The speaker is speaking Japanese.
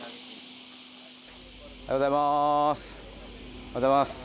おはようございます。